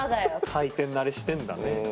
回転慣れしてんだね。